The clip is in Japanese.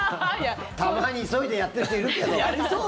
たまに急いでやってる人いるけど。